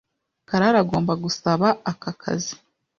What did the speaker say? Karara agomba gusaba aka kazi.